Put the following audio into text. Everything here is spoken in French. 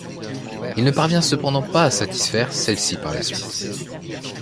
Il ne parvient cependant pas à satisfaire celles-ci par la suite.